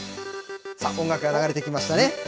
音楽が流れてきましたね。